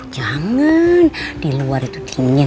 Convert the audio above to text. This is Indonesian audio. jangan di luar itu kimia